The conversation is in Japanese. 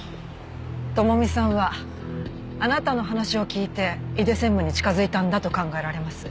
朋美さんはあなたの話を聞いて井出専務に近づいたんだと考えられます。